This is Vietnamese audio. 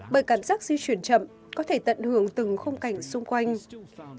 bởi cảm giác di chuyển chậm có thể tận hưởng từng không cảnh xung quanh